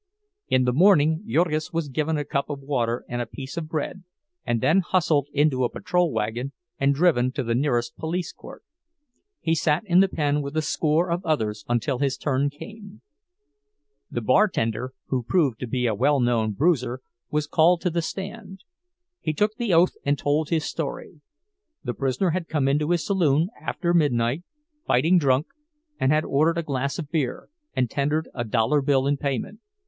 In the morning Jurgis was given a cup of water and a piece of bread, and then hustled into a patrol wagon and driven to the nearest police court. He sat in the pen with a score of others until his turn came. The bartender—who proved to be a well known bruiser—was called to the stand. He took the oath and told his story. The prisoner had come into his saloon after midnight, fighting drunk, and had ordered a glass of beer and tendered a dollar bill in payment.